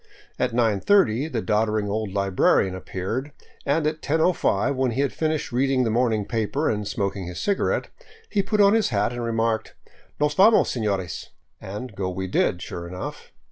At nine thirty the doddering old librarian ap peared, and at 10 105, when he had finished reading the morning paper and smoking his cigarette, he put on his hat and remarked, " Nos vamos, sefiores," and go we did, sure enough.